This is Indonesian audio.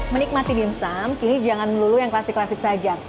menikmati dimsum kini jangan melulu yang klasik klasik saja